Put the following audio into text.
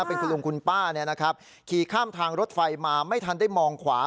เป็นคุณลุงคุณป้าขี่ข้ามทางรถไฟมาไม่ทันได้มองขวา